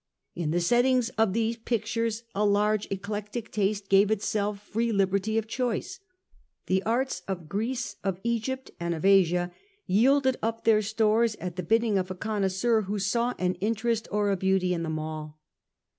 In the settings of these pictures a large eclectic taste gave itself free liberty of choice. The arts of Greece, of Egypt, and of Asia yielded up their stores at the bidding of a connoisseur who saw an interest or a beauty in them all.